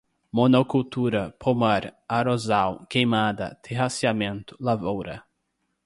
monocultura, pomar, arrozal, queimada, terraceamento, lavoura